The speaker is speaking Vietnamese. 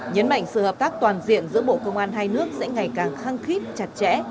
nhấn mạnh sự hợp tác toàn diện giữa bộ công an hai nước sẽ ngày càng khăng khít chặt chẽ